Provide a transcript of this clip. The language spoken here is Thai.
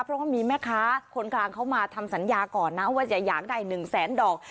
เพราะว่ามีแม่ค้าคนกลางเขามาทำสัญญาก่อนนะว่าจะอยากได้๑แสนดอก